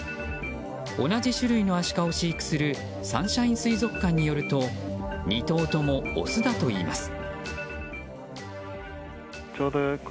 同じ種類のアシカを飼育するサンシャイン水族館によると２頭ともオスだといいます。